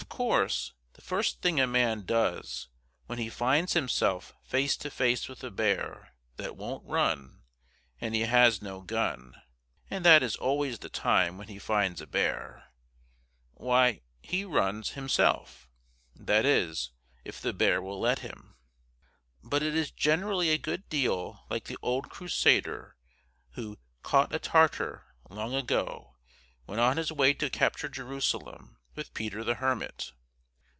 Of course, the first thing a man does when he finds himself face to face with a bear that won't run and he has no gun and that is always the time when he finds a bear why, he runs, himself; that is, if the bear will let him. But it is generally a good deal like the old Crusader who "caught a Tartar" long ago, when on his way to capture Jerusalem, with Peter the Hermit.